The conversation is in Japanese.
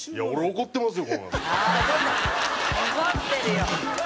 怒ってるよ。